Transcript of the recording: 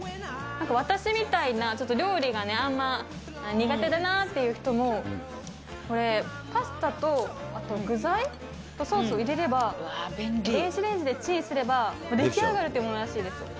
私みたいな、ちょっと料理があんま、苦手だなという人も、これ、パスタと具材とソースを入れれば、電子レンジでチンすれば出来上がるというものらしいです。